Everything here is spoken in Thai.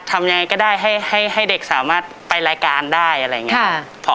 ทำยังไงก็ได้ให้เด็กสามารถไปรายการได้อะไรอย่างนี้